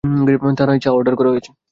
থানায় চা অর্ডার করা হয়েছে।